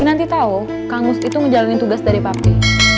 kinanti tahu kamus itu menjalankan tugas dari papi